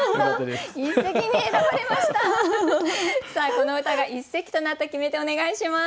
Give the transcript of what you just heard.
この歌が一席となった決め手お願いします。